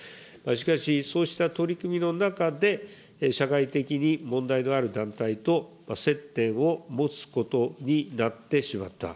しかし、そうした取り組みの中で、社会的に問題のある団体と接点を持つことになってしまった。